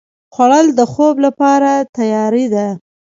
خوړل د خوب لپاره تیاري ده